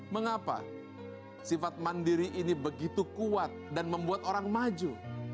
mengapa sifat mandiri ini begitu kuat dan membuat orang maju